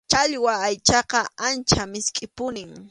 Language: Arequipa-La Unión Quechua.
Challwa aychaqa ancha miskʼipunim.